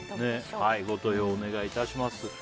ご投票お願いいたします。